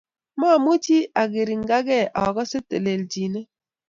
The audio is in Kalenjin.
Maamuchi agiringakei agase telelchinet